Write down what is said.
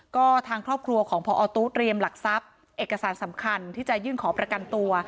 ก็ทางครอบครัวของพอตู้เตรียมหลักทรัพย์เอกสารสำคัญที่จะยื่นขอประกันตัว